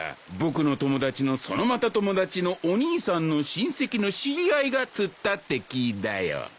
僕の友達のそのまた友達のお兄さんの親戚の知り合いが釣ったって聞いだよ。